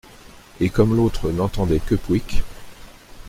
Et comme l’autre n’entendait que pouic